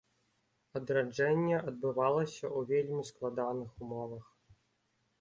Адраджэнне адбывалася ў вельмі складаных умовах.